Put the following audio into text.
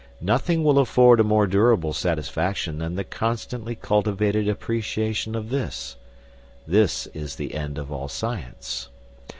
Nothing will afford a more durable satisfaction than the constantly cultivated appreciation of this. It is the end of all science.